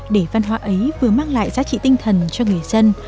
để văn hóa ấy vừa mang lại giá trị tinh thần cho người dân